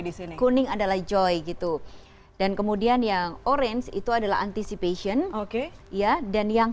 di sini kuning adalah joy gitu dan kemudian yang orange itu adalah anticipation oke ya dan yang